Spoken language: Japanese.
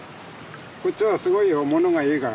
こっちはすごいよものがいいから。